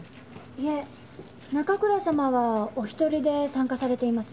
いえ中倉様はお一人で参加されています。